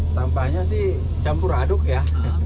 sampahnya sih campur aduk ya